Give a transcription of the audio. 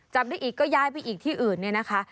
จับได้อีกก็ย้ายไปอีกที่อื่นเนี่ยนะคะ